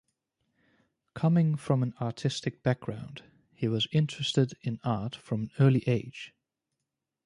Coming from an artistic background, he was interested in art from an early age.